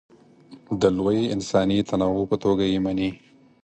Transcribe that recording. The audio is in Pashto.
د لوی انساني تنوع په توګه یې مني.